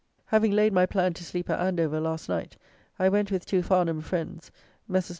Having laid my plan to sleep at Andover last night, I went with two Farnham friends, Messrs.